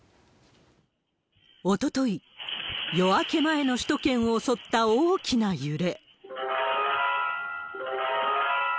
おととい夜明け前の首都圏を襲った大きな揺れ。